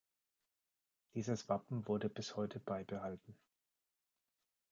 Dieses Wappen wurde bis heute beibehalten.